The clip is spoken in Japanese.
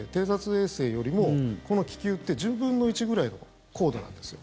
衛星よりもこの気球って１０分の１ぐらいの高度なんですよ。